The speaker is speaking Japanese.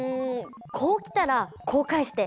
こう来たらこう返して。